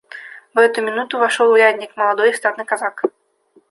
В эту минуту вошел урядник, молодой и статный казак.